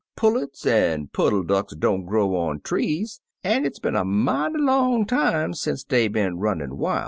Pul lets an' puddle ducks don't grow on trees, an* it's been a mighty long time sence dey been runnin' wil'.